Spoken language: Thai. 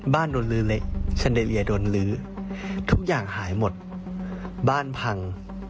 โดนลื้อเละแชเรียโดนลื้อทุกอย่างหายหมดบ้านพัง